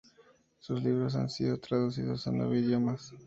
Sus libros han sido traducidos a nueve idiomas.